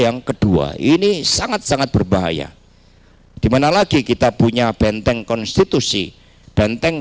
yang kedua ini sangat sangat berbahaya dimana lagi kita punya benteng konstitusi benteng